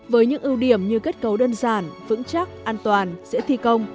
với những ưu điểm như kết cấu đơn giản vững chắc an toàn dễ thi công